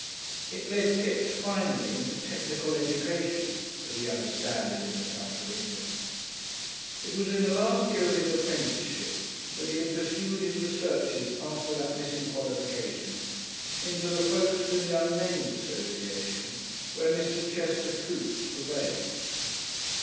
It led Kipps finally into Technical Education as we understand it in the south of England. It was in the last year of his apprenticeship that he had pursued his researches after that missing qualification into the Folkestone Young Men's Association, where Mr. Chester Coote prevailed.